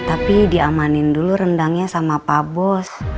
tapi diamanin dulu rendangnya sama pak bos